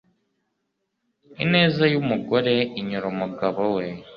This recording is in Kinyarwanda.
ineza y'umugore inyura umugabo we